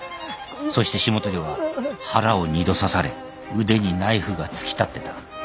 そして霜鳥は腹を２度刺され腕にナイフが突き立ってた。